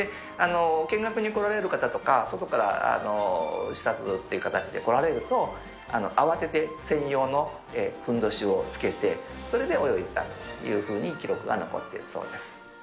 見学に来られる方とか、外から視察という形で来られると、慌てて専用のふんどしをつけて、それで泳いでたというふうに記録が残っているそうです。